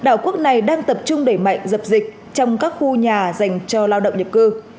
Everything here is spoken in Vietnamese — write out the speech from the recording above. đảo quốc này đang tập trung đẩy mạnh dập dịch trong các khu nhà dành cho lao động nhập cư